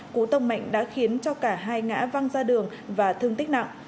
cú tông mạnh đã khiến cho cả hai ngã văng ra đường và thương tích nặng